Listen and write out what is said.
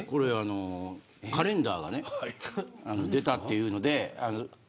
カレンダーがね出たと言うので。